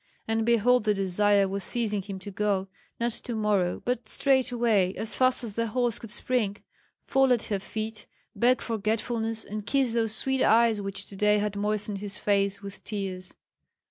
And behold the desire was seizing him to go, not to morrow, but straightway, as fast as the horse could spring, fall at her feet, beg forgetfulness, and kiss those sweet eyes which today had moistened his face with tears.